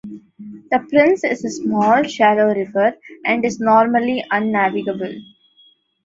The Price is a small, shallow river and is normally unnavigable.